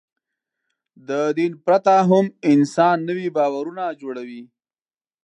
د دین پرته هم انسان نوي باورونه جوړوي.